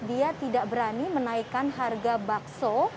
dia tidak berani menaikkan harga bakso